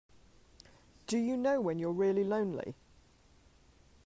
Do you know when you're really lonely?